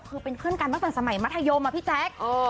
คือเป็นเพื่อนกันตั้งแต่สมัยมัธยมอะพี่แจ๊ค